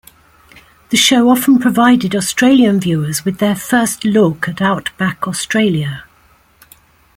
The show often provided Australian viewers with their first look at outback Australia.